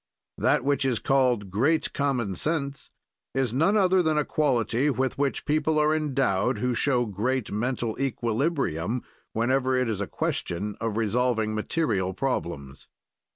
That which is called great common sense is none other than a quality with which people are endowed who show great mental equilibrium whenever it is a question of resolving material problems.